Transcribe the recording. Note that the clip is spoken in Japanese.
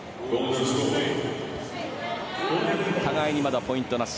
互いにまだポイントなし。